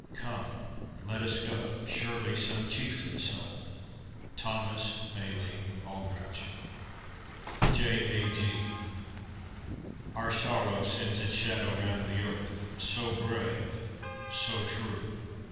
Come, let us go Surely, some chieftain's soul! THOMAS BAILEY ALDRICH. J. A. G. Our sorrow sends its shadow round the earth. So brave, so true!